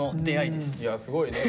いやすごいね。